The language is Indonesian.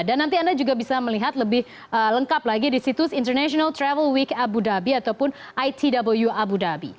dan nanti anda juga bisa melihat lebih lengkap lagi di situs international travel week abu dhabi ataupun itw abu dhabi